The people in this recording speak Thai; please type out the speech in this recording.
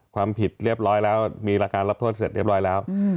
ความผิดเรียบร้อยแล้วมีหลักการรับโทษเสร็จเรียบร้อยแล้ว